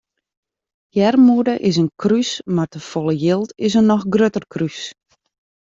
Earmoede is in krús mar te folle jild is in noch grutter krús.